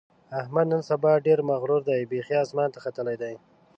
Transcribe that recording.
احمد نن سبا ډېر مغرور دی؛ بیخي اسمان ته ختلی دی.